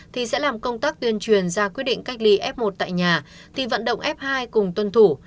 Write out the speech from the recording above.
thì sẽ làm công tác tuyên truyền ra quyết định cách ly f một tại nhà thì vận động f hai cùng tuân thủ